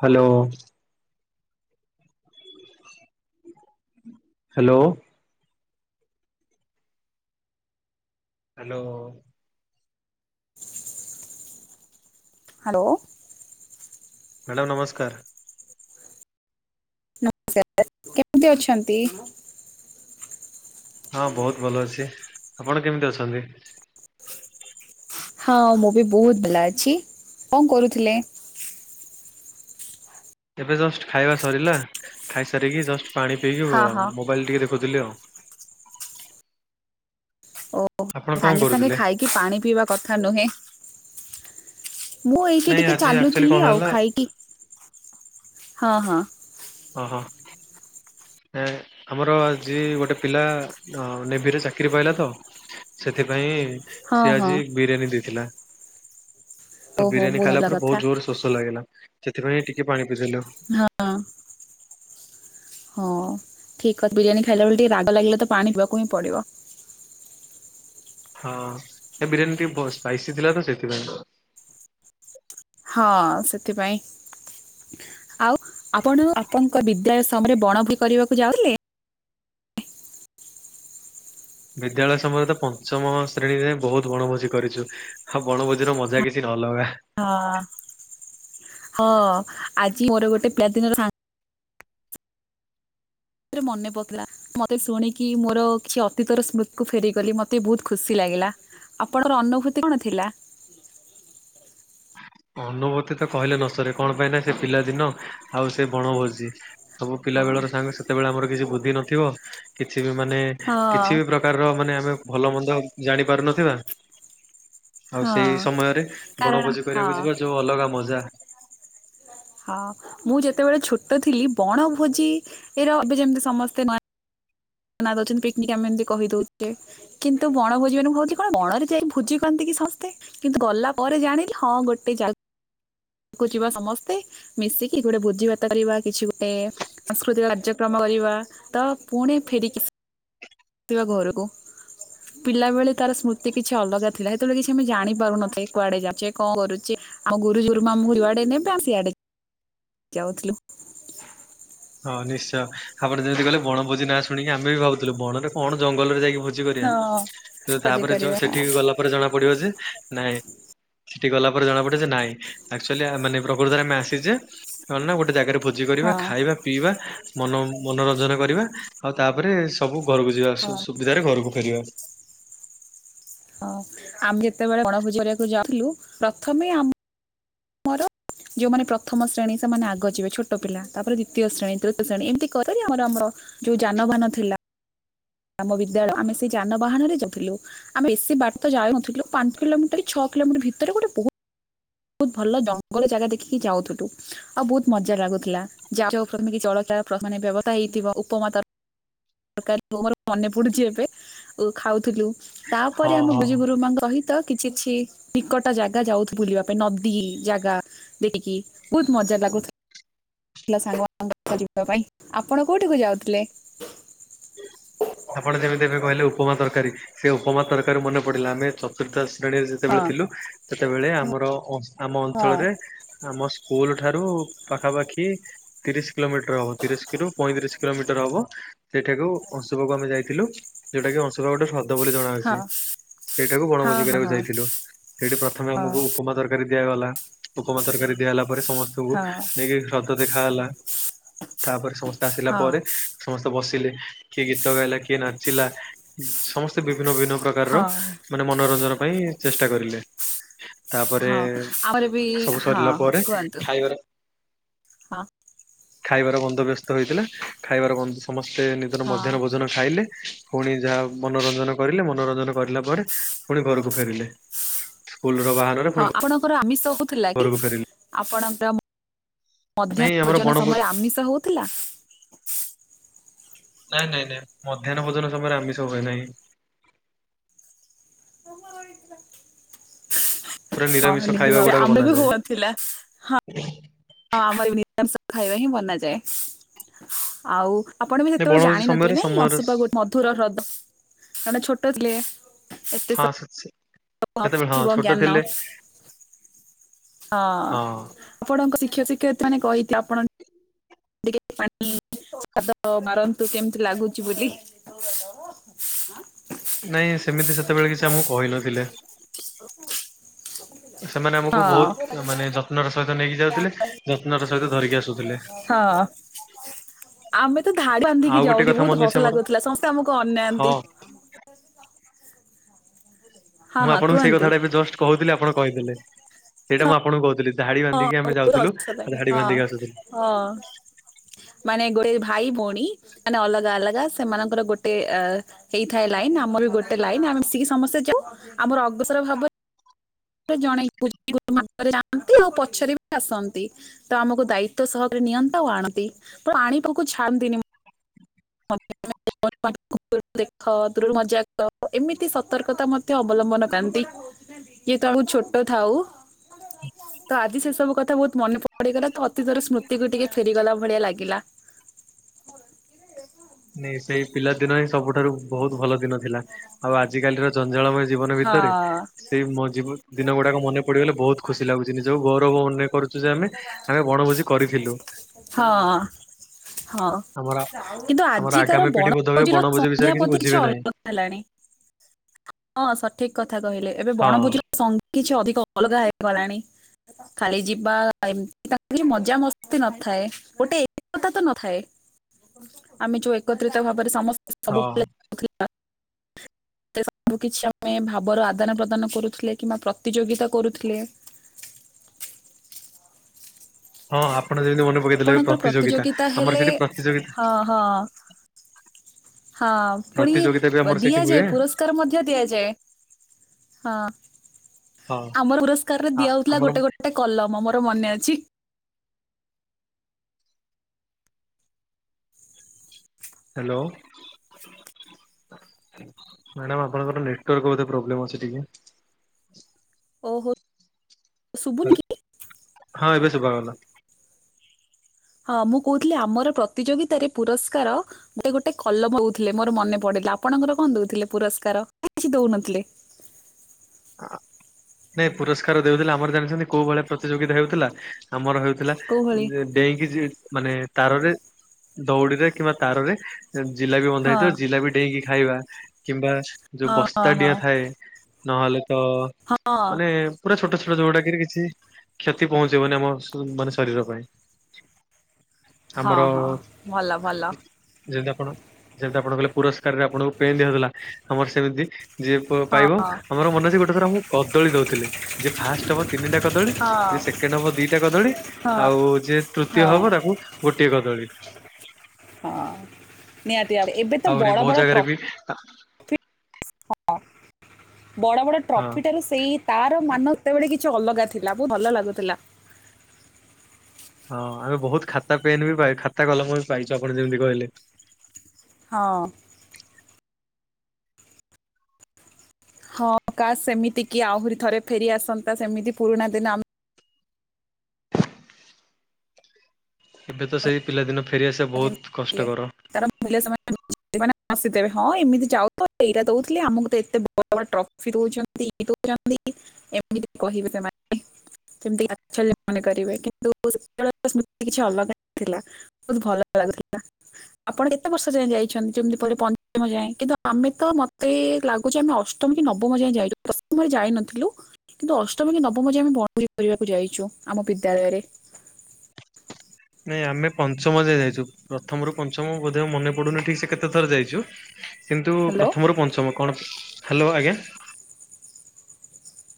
Hello. Hello. Hello. [inaudible] Hello. Madam ନମସ୍କାର। ନମସ୍କାର କେମିତି ଅଛନ୍ତି? ହଁ ବହୁତ ଭଲ ଅଛି। ଆପଣ କେମିତି ଅଛନ୍ତି? ହଁ ମୁଁ ବି ବହୁତ ବ୍ଲା ଅଛି। କଣ କରୁଥିଲେ? ଏବେ ଜଷ୍ଟ ଖାଇବା ସରିଲା। ଖାଇସାରିକି ଜଷ୍ଟ ପାଣି ପିଇକି ହଁ ହଁ ମୋବାଇଲ ଟିକେ ଦେଖୁଥିଲି ଆଉ। ଓ ଆପଣ କଣ ସାଙ୍ଗେ ସାଙ୍ଗେ କରୁଥିଲେ? ଖାଇକି ପାଣି ପିଇବା କଥା ନୁହେଁ। ମୁଁ ଏଇଠି ନାଇଁ ଟିକେ ଆଜି ଆକ୍ଚୁଆଲି କଣ ଚାଲୁଥିଲି ଆଉ ହେଲା ଖାଇକି। ହଁ ହଁ। ଓ ହ। ଆମର ଆଜି ଗୋଟେ ପିଲା ନେଭିରେ ଚାକିରି ପାଇଲା ତ। ସେଥି ନାଇଁ ହଁ ସେ ହଁ ଆଜି ବିରିୟାନୀ ଦେଇଥିଲା। ତ ଓହୋ ବିରିୟାନୀ ଖାଇଲା ଭଲ ପରେ କଥା ବହୁତ ଜୋରରେ ଶୋଷ ଲାଗିଲା। ସେଥିପାଇଁ ଟିକେ ପାଣି ପିଇଦେଲୁ ହଁ। ହଁ ଠିକ ଅ ବିରିୟାନୀ ଖାଇଲା ବେଳେ ଟିକେ ରାଗ ଲାଗିଲେ ତ ପାଣି ପିବାକୁ ହିଁ ପଡିବ। ହଁ ଏ ବିରିୟାନୀଟି ବ ସ୍ପାଇସି ଥିଲା ତ ସେଥିପାଇଁ। ହଁ ସେଥିପାଇଁ। ଆଉ ଆପଣ ଆପଣଙ୍କ ବିଦ୍ୟାଳୟ ସମୟରେ ବଣ ବି କରିବାକୁ ଯାଉଥିଲେ। ବିଦ୍ୟାଳୟ ସମୟରେ ତ ପଞ୍ଚମ ଶ୍ରେଣୀରେ ବହୁତ ବଣଭୋଜି କରିଛୁ। ଆଉ ବଣଭୋଜିର ମଜା କିଛି ନଲଗା। ହଁ ହଁ ଆଜି ମୋର ଗୋଟେ ପିଲାଦିନର ସାଙ୍ଗ ମନେ ପକିଲଥିଲା ମତେ ଶୁଣିକି ମୋର କିଛି ଅତୀତର ସ୍ମୃତି କୁ ଫେରିଗଲି ମତେ ବହୁତ ଖୁସି ଲାଗିଲା। ଆପଣଙ୍କର ଅନୁଭୂତି କଣ ଥିଲା? [inaudible] ଅନୁଭୂତି ତ କହିଲେ ନ ସରେ। କଣ ପାଇଁ ନା ସେ ପିଲାଦିନ ଆଉ ସେ ବଣଭୋଜି। ସବୁ ହଁ ପିଲା ବେଳର ସାଙ୍ଗ ସେତେବେଳେ ଆମର କିଛି ବୁଦ୍ଧି ନଥିବ। କିଛି ମାନେ ହଁ କିଛି ବି ପ୍ରକାରର ମାନେ ଆମେ ଭଲ ମନ୍ଦ ଜାଣି ପାରୁନଥିବା। ଆଉ ହଁ ସେଇ ସମୟରେ କାରଣ ବଣଭୋଜି ହଁ କରିବାକୁ ଯିବା ଯୋଉ ଅଲଗା ମଜା। ହଁ ମୁଁ ଯେତେବେଳେ ଛୋଟ ଥିଲି ବଣଭୋଜି ର ଏବେ ଯେମିତି ସମସ୍ତେ ନ ଦଉଛନ୍ତି ପିକ୍ନିକ ଆମେ ଏତି କହି ଦଉଛେ। କିନ୍ତୁ ବଣ ଭୋଜିି ମାନେ ଭାବଛି କଣ ବଣରେ ଯାଇ ଭୋଜି କରନ୍ତି କି? ସମସ୍ତେ କିନ୍ତୁ ଗଲା ପରେ ଜାଣିଲି ହଁ ଗୋଟେ ଜାଗା। କୁ ଯିବା ସମସ୍ତେ ମିଶିକି ଗୋଟେ ବୋଜି ଭାତ କରିବା। କିଛି ଗୋଟେ ସାଂସ୍କୃତିକ କାର୍ଯ୍ୟକ୍ରମ କରିବା ତ ପୁଣି ଫେରିକି ଥିବା ଘରକୁ ପିଲାବେଳେ ତାର ସ୍ମୃତି କିଛି ଅଲଗା ଥିଲା ହେତେବେଳେ କିଛି ଆମେ ଜାଣି ପାରୁନଥାଏ କୁଆଡେ ଯାଉଛେ କଣ କରୁଛେ? ଆମ ଗୁରୁଜୀ ଗୁରୁମା ଆମକୁ ଯୁଆଡେ ନେବେ ଆମେ ସିଆଡେ ଯାଉଥିଲୁ। ହଁ ନିଶ୍ଚୟ ଆପଣ ଯେମିତି କଇଲେ ବଣଭୋଜି ନାଁ ଶୁଣିକି ଆମେ ବି ଭାବୁଥିଲୁ ବଣରେ କଣ ଜଙ୍ଗଲରେ ଯାଇକି ଭୋ ଜି କରିଆ ହଁ ତ ଭୋଜି ତାପରେ ଯୋ କରିବା ହଁ। ସେଠିକି ଗଲା ପରେ ଜଣା ପଡିବ ଯେ ନାଇଁ ସେଠି ଗଲା ପରେ ଜଣା ପଡେ ଯେ ନାଇଁ ଆକଚୁଆଲି ଆମମାନେ ପ୍ରକୃତରେ ଆମେ ଆସିଚେ କଣ ନା ଗୋଟେ ଜାଗାରେ ଭୋଜି କରିବା ହଁ ଖାଇବା ପିଇବା ମନ ମନୋରଞ୍ଜନ କରିବା ଆଉ ତାପରେ ସବୁ ଘରକୁ ଯିବା ସୁ ହଁ ସୁବିଧାରେ ଘରକୁ ଫେରିବା। ହଁ ଆମେ ଯେତେବେଳେ ବଣଭୋଜି କରିବାକୁ ଯାଉଥିଲୁ ପ୍ରଥମେ ଆମ ମୋର ଯୋଉମାନେ ପ୍ରଥମ ଶ୍ରେଣୀ ସେମାନେ ଆଗ ଯିବେ ଛୋଟ ପିଲା ତାପରେ ଦ୍ୱିତୀୟ ଶ୍ରେଣୀ ତୃତୀୟ ଶ୍ରେଣୀ ଏମିତି କରି କରି ଆମର ଆମର ଯୋଉ ଯାନବାହାନ ଥିଲା ଆମ ବିଦ୍ୟାଳୟ ଆମେ ସେଇ ଯାନବାହାନରେ ଯାଉଥିଲୁ ଆମେ ବେଶୀ ବାଟ ଯାଉନଥିଲୁ ପାଞ୍ଚ କିଲୋମିଟର କି ଛଅ କିଲୋମିଟର ଭିତରେ ଗୋଟେ ବହୁ ତ ଭଲ ଜଙ୍ଗଲ ଜାଗା ଦେଖିକି ଯାଉଥିଲୁ ଆଉ ବହୁତ ମଜା ଲାଗୁଥିଲା ଯାଉ ଯାଉ ପ୍ରଥମେ କିଛି ଜଳଖି ମାନେ ବ୍ୟବସ୍ଥା ହେଇଥିବ ଉପମା ତ ରକରୀରୁ ମୋର ମନେ ପଡୁଛି ଏବେ ଓ ଖାଉଥିଲୁ ହଁ ତାପରେ ଆମେ ହଁ। ଗୁରୁଜୀ ଗୁରୁମାଙ୍କ ସହିତ କିଛି କିଛି ନିକଟ ଜାଗା ଯାଉଥୁ ବୁଲିବା ପାଇଁ ନଦୀ ଜାଗା ଦେଖିକି ବହୁତ ମଜା ଲାଗୁଥ ଥିଲା ସାଙ୍ଗମାନଙ୍କ [unintelligible] ଯିବା ପାଇଁ ଆପଣ କୋଉଠିକୁ ଯାଉଥିଲେ? ଆପଣ ଯେମିତି ଏବେ କହିଲେ ଉପମା ତରକାରୀ ସେ ଉପମା ତରକାରୀ ମନେ ପଡିଲା ଆମେ ଚତୁର୍ଥ ଶ୍ରେଣୀରେ ହଁ ଯେତେବେଳେ ଥିଲୁ ସେତେବେଳେ ଆମ ଆମର ଅଂଶ ଆମ ହଁ ଅଞ୍ଚଳରେ ଆମ ସ୍କୁଲଠାରୁ ପାଖାପାଖି ତିରିଶ କିଲୋମିଟର ହବ ତିରିଶରୁ ପଇଁତିରିଶ କିଲୋମିଟର ହବ ସେଇଠାକୁ ଅଶୁଂପାକୁ ଆମେ ଯା ଯାଇଥିଲୁ ଯୋଉଟା କି ଅଶୁଂପା ଗୋଟେ ହ୍ର ଦ ବୋଲି ଜଣାଅଛି ହଁ ସେଇଟାକୁ ବଣଭୋଜି ହଁ କରିବାକୁ ହଁ ଯାଇଥିଲୁ। ସେଠି ପ୍ରଥମେ ହଁ ଆମକୁ ଉପମା ତରକାରୀ ଦିଆଗଲା ଉପମା ତରକାରୀ ଦିଆହେଲା ପରେ ସମସ୍ତଙ୍କୁ ହଁ ହଁ ନେଇକି ହ୍ରଦ ଦେଖା ହେଲା। ତାପରେ ସମସ୍ତେ ଆସିଲା ପରେ ସମସ୍ ସ୍ତେ ବସିଲେ କିଏ ଗୀତ ଗାଇଲା କିଏ ନାଚିଲା ସମସ୍ତେ ବିଭିନ୍ନ ବିଭିନ୍ନ ପ୍ରକାରର ହଁ ହଁ ମାନେ ମନୋରଞ୍ଜନ ପାଇଁ ଚେଷ୍ଟା କରିଲେ। ତାପରେ ହଁ ଆମର ବି ସବୁ ହଁ ସରିଲା ହଁ ପରେ କୁହନ୍ତୁ ଖାଇବାର ହଁ। ଖାଇବାର ବନ୍ଦୋବ୍ୟସ୍ତ ହେଇଥିଲା ଖାଇବାର ବନ୍ଦ ସମସ୍ତେ ନିଜର ହଁ ମଧ୍ୟାହ୍ନ ଭୋଜନ ଖାଇଲେ ଫୁଣି ଯାହା ମନୋରଞ୍ଜନ କରିଲେ ମନୋରଞ୍ଜନ କରିଲା ପରେ ପୁଣି ଘରକୁ ଫେରିଲେ। ସ୍କୁଲ ର ବାହାନାରେ ପୁଣି ହଁ ଆପଣଙ୍କର ଆମିଷ ହଉଥିଲା କି? ଘରକୁ ଫେରିଲେ। ଆପଣଙ୍କର ନାଇଁ ମଧ୍ୟାହ୍ନ ଆମର ଭୋଜନ ବଣଭୋ ସମୟରେ ଆମିଷ ହଉଥିଲା? ନାଇଁ ନାଇଁ ନାଇଁ ମଧ୍ୟାହ୍ନ ଭୋଜନ ସମୟରେ ଆମିଷ ହୁଏ ନାହିଁ। ପୁରା ହଁ ନିରାମିଷ ନିହାତି ଖାଇବା ଭାବେ ଗୁଡାକ ଆମର ବି ହଉନଥିଲା। ବନାଯାଏ। ହଁ ଆମର ନିରାମିଷ ଖାଇବା ହିଁ ବନାଯାଏ ଆଉ ଆପଣ ବି ନାଇଁ ସେତେବେଳେ ବଣଭୋଜି ଜାଣିନଥିବେ ସମୟରେ ନାଇଁ ସମୟର ଅଂଶୁପା ଗୋ ମଧୁର ହ୍ରଦ କାରଣ ଛୋଟ ଥିଲେ ଏତେ ହଁ ସବୁ ସେ ସେ ସେତେବେଳେ ହଁ ନଥିବ ଛୋଟ ଜ୍ଞାନ ଥିଲେ। ହଁ ଆପଣଙ୍କ ଶିକ୍ଷକ ଶିକ୍ଷୟିତ୍ରୀମାନେ କହିଥିବେ ଆପଣ ଟିକେ ପାଣି ପାାଦ ମାରନ୍ତୁ କେମତି ଲାଗୁଛି ବୋଲି ଠ ନାଇଁ ସେମିତି ସେତେବେଳେ କିଛି ଆମକୁ କହିନଥିଲେ। ସେମାନେ ଆମକୁ ବହୁତ ମାନେ ଯତ୍ନର ସହ ହିତ ନେଇକି ଯାଉଥିଲେ ଯତ୍ନର ସହିତ ଧରିକି ଆସୁଥିଲେ। ହଁ। ଆମେ ତ ଧାଡ଼ି ଆଉ ବାନ୍ଧିକି ଗୋଟେ ଯାଉଥିଲୁ କଥା ବହୁତ ମନେ ଅଛି ହସ ଆମର ଲାଗୁଥିଲା, ସମସ୍ତେ ଆମକୁ ହଁ ଅନାନ୍ତି। ହ କ ମୁଁ ଆପଣଙ୍କୁ ସେଇ କୁହନ୍ତୁ କଥାଟା ଏବେ ଜଷ୍ଟ କହୁଥିଲି ଆପଣ କହିଦେଲେ, ହଁ ସେଇଟା ମୁଁ ଆପଣଙ୍କୁ କହୁଥିଲି। ଧାଡି ହଁ ବାନ୍ଧିକି ଆମେ ବହୁତ୍ ଯାଉଥିଲୁ ହସ ଲାଗେ ଧାଡି ହଁ ବାନ୍ଧିକି ଆସୁଥିଲୁ। ହଁ। ମାନେ ଗୋଟେ ଭାଇ ଭୋଉଣୀ ମାନେ ଅଲଗା ଅଲଗା ସେମାନଙ୍କର ଗୋଟେ ଏ ହେଇଥାଏ ଲାଇନ୍ ଆମର ଗୋଟେ ଲାଇନ୍ ଆମେ ମିଶିକି ସମସ୍ତେ ଯାଉ ଆମର ଅଗସର ଭାବ ଏ ଜଣେ ପୂ [inaudible] ଯାଆନ୍ତି ଆଉ ପଛରେ ବି ଆସନ୍ତି ତ ଆମକୁ ଦାୟିତ୍ଵ ସହ ନିଅନ୍ତି ଆଉ ଆଣନ୍ତି ପାଣି ପାଖୁ ଛାଡ଼ନ୍ତିନି ମୁ ହ [inaudible] ତୁ ଦେଖ ଦୂରରୁ ମଜା କର ଏମିତି ସତର୍କତା ମଧ୍ୟ ଅବଲମ୍ବନ କାନ୍ତି ଯେହେତୁ ଆ ମୁ ଛୋଟ ଥାଉ ହଁ ତ ଆଜି ସେ ସବୁ କଥା ବୋହୁତ ମନେ ପଡି଼ଇଗଲା ତ ଅତୀତର ସ୍ମୃତିକୁ ଟିକେ ଫେରିଗଲା ଭଳିଆ ଲାଗିଲା। [inaudible] ନାଇଁ ସେଇ ପିଲାଦିନ ହିଁ ସବୁଠାରୁ ବହୁତ ଭଲ ଦିନ ଥିଲା ଆଉ ଆଜିିକାଲିର ଜଞ୍ଜାଳମୟ ଜୀବନ ହଁ ଭିତରେ ସେଇ ମୋ ଜିମୁ ଦିନ ଗୁ ଗୁଡ଼ାକ ମନେ ପଡ଼ିଗଲେ ବହୁତ ଖୁସି ଲାଗୁଚି ନିଜକୁ ଗୌରବ ମନେ କରୁଚୁ ଯେ ଆମେ ଆମେ ବଣଭୋଜି କରିଥିଲୁ। ହଁ ହଁ। ଆମର କିନ୍ତୁ ଆମର ଆଜିକାର ଆଗାମୀ ପିଢି ବୋଧ ହୁଏ ବଣଭୋଜିର ବଣଭୋଜି ବିଷୟରେ ସଂଜ୍ଞା ବୋଧେ କିଛି ବୁଝିବେ ନାହିଁ। ଅଲଗା ହେଲାଣି। ହଁ ସଠିକ୍ କଥା କହିଲେ ଏବେ ହଁ ବଣଭୋଜିର ସଂ କିଛି ଅଧିକ ଅଲଗା ହେଇଗଲାଣି ଖାଲି ଯିବା ଏମତି ତାଇରେ କିଛି ମଜା ମସ୍ତି ନ ଥାଏ ଗୋଟେ ଏକତା ତ ନଥାଏ ଆମେ ଯୋଉ ଏକତ୍ରିତ ଭାବରେ ସମସ୍ ସବୁ ହଁ ପିଲା [inaudible] [inaudible] ସେ ସବୁ କିଛି ଆମେ ଭାବର ଆଦାନ ପ୍ରଦାନ କରୁଥୁଲେ କିମ୍ବା ପ୍ରତିଯୋଗିତା କରୁଥୁଲେ। [inaudible] ହଁ ଆପଣ ଯେମିତି ମନେ ପକେଇଦେଲେ ଆପଣଙ୍କର ପ୍ରତିଯୋଗିତା ଆମର ହେଲେ ସେଠି ପ୍ରତିଯୋଗି [inaudible] ହଁ ହଁ ହଁ ପୁଣି ବ ସେଇଠି ହୁଏ ଦିଆଯାଏ ପୁରସ୍କାର ମଧ୍ୟ ଦିଆଯାଏ। ହଁ ହଁ ଆମର ପୁରସ୍କାରରେ ଆ ଦିଆ ହଉଥୁଲା ଆମର ଗୋଟେ ଗୋଟେ କଲମ ମ ତ ମନେ ଅଛି। ହାଲୋ। ମାଡ଼ାମ୍ ଆପଣଙ୍କର ନେଟୱାର୍କ ବୋଧେ ପ୍ରୋବ୍ଲେମ୍ ଅଛି ଟିକେ। ଓହୋ। ଶୁଭୁନି ହରେ କି? ହଁ ଏବେ ଶୁଭାଗଲା। ହଁ ମୁଁ କୋହୁଥିଲି ଆମର ପ୍ରତିଯୋଗିତାରେ ପୁରସ୍କାର ଗୋଟେ ଗୋଟେ କଲମ ଓଉଥୁଲେ ମୋର ମନେ ପଡ଼େ। ଆପଣଙ୍କର କଁ ଦଉଥୁଲେ ପୁରସ୍କାର ଇ କିଛି ଦୋଉନଥୁଲେ? [inaudible] ନାଇଁ ପୁରସ୍କାର ଦେଉଥିଲେ ଆମର ଜାଣିଛନ୍ତି କୋଉ ଭଳିଆ ପ୍ରତିଯୋଗିତା ହେଉଥିଲା ଆମର ହଉ ଥିଲା କୋଉ ଭଳି ଯେ ଡେଇଁକି ଯି ମାନେ ତାରରେ ଦଉଡ଼ିରେ କିମ୍ବା ତାରରେ ଜିଲାପି ବନ୍ଧା ହଁ ହେଇଥିବ ଜିଲାପି ଡେଇଁକି ଖାଇବା କିମ୍ବା ଯୋଉ ହଁ ହଁ ବସ୍ତା ହଁ ଡିଆଁ ଥାଏ। ନହେଲେ ତ ହଁ ମାନେ ପୁରା ଛୋଟ ଛ ତ ଯୋଉଟାକିରି କିଛି କ୍ଷତି ପହଞ୍ଚିବନି ଆମ ଶ ମାନେ ଶରୀର ପାଇଁ। ହଁ ଆମର ହଁ ଭଲ ଭଲ ଯେ ଯେମତି ଆପଣ ଯେମତି ଆପଣ କଇଲେ ପୁରସ୍କାରରେ ଆପଣଙ୍କୁ ପେନ୍ ଦିଆହଉଥୁଲା ଆମର ସେମିତି ଯିଏ ପ ହଁ ପାଇବ ଆମର ମନେ ଅଛି ଗୋ ଏରା ମୁଁ କଦଳୀ ଦଉଥୁଲେ ଯିଏ ଫାଷ୍ଟ୍ ହବ ତିନିଟା କଦଳୀ ହଁ ଯିଏ ସେକଣ୍ଡ୍ ହବ ଦିଟା କଦଳୀ ହଁ ଆଉ ଓ ଯିଏ ତୃତୀୟ ହଁ ହବ ତାକୁ ଗୋଟିଏ କଦଳୀ। ହଁ ନିହାତି ଆଡ଼େ ଏବେ ତ ବଡ଼ ବଡ଼ ଟ୍ର ଅଃ ବଡ଼ ବଡ଼ ହଁ ଟ୍ରଫି ଠାରୁ ସେଇ ତାର ମାନ ତେବେଳେ କି ଛି ଅଲଗା ଥିଲା ବୋହୁ ଭଲ ଲାଗୁଥୁଲା। ହଁ ଆମେ ବୋହୁତ ଖାତା ପେନ୍ ବି ପାଇ ଖାତା କଲମ ବି ପାଇଚୁ ଆପଣ ଯେମିତି କହିଲେ। ହଁ। ହଁ କାସ୍ ସେମିତି କି ଆହୁରି ଥରେ ଫେରି ଆସନ୍ତା ସେମିତି ପୁରୁଣା ଦିନ ଆମ୍ ଏବେ ତ ସେଇ ପିଲାଦିନ ଫେରିଆସିବା ଯେମିତି ବୋହୁତ ଥିଲେ କଷ୍ଟ କର। ତାର ମୂଲ୍ୟ ସେମାନେ ମାନେ ହସି ଦେବେ ହଁ ଏମିତି ଯାଉଚ ଏଇରା ଦୋଉଥିଲେ ଆମକୁ ତ ଏତେ ବଡ଼ ବଡ଼ ଟ୍ରଫି ଦୋଉଛନ୍ତି। [unintelligible] ଦୋଉଚନ୍ତି ଏମିତି କହିବେ ସେମାନେ। ସେମିତି ତାଛଲ୍ୟ ମନେ କରିବେ କିନ୍ତୁ [unintelligible] ସ୍ମୃତି କିଛି ଅଲଗା ଥିଲା ବୋହୁତ ଭଲ ଲାଗୁଥିଲା। ଆପଣ କେତେ ବର୍ଷ ଯାଏ ଯାଇଛନ୍ତି ଯେମିତି ପଲେ ପଞ୍ଚମ ଯାଏ କିନ୍ତୁ ଆମେ ତ ମତେ ଲାଗୁଛି ଆମେ ଅଷ୍ଟମ କି ନବମ ଯାଏ ଯାଇଥିଲୁ ଦଶମରେ ଯାଇନଥିଲୁ କିନ୍ତୁ ଅଷ୍ଟମ କି ନବମ ଯାଏ ଆମେ। [unintelligible] କରିବାକୁ ଯାଇଚୁ ଆମ ବିଦ୍ୟାଳୟରେ। [inaudible] ନାଇଁ ଆମେ ପଞ୍ଚମ ଯାଏ ଯାଇଚୁ ପ୍ରଥମରୁ ପଞ୍ଚମ ବୋଧେ ଆଉ ମନେ ପଡୁନି ଠିକ ସେ କେତେଥର ଯାଇଚୁ। କିନ୍ତୁ ହ୍ୟାଲୋ ପ୍ରଥମରୁ ପଞ୍ଚମ କଣ ହାଲୋ ଆଜ୍ଞା।